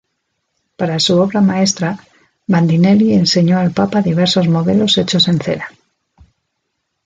Para su obra maestra, Bandinelli enseñó al Papa diversos modelos hechos en cera.